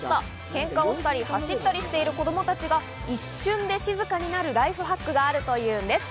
ケンカをしたり、走ったりしてる子供達が一瞬で静かになるライフハックがあるというんです。